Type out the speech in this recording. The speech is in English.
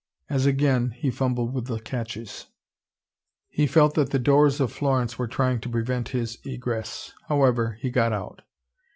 As again he fumbled with the catches, he felt that the doors of Florence were trying to prevent his egress. However, he got out.